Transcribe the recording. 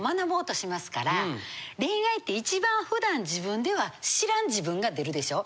恋愛って一番普段自分では知らん自分が出るでしょ。